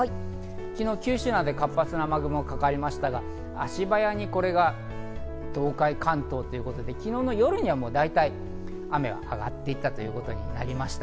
昨日、九州などで活発な雨雲がかかりましたが、足早にこれが東海、関東ということで昨日の夜には大体、雨が上がっていたということになりました。